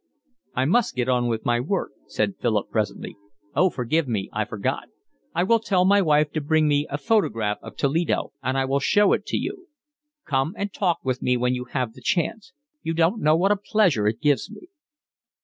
"I must get on with my work," said Philip presently. "Oh, forgive me, I forgot. I will tell my wife to bring me a photograph of Toledo, and I will show it you. Come and talk to me when you have the chance. You don't know what a pleasure it gives me."